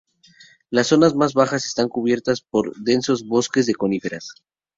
Las zonas más bajas están cubiertas por densos bosques de coníferas.